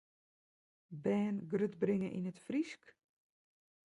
Bern grutbringe yn it Frysk?